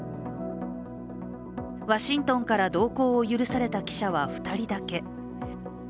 ワシントンから同行を許された記者は２人だけ。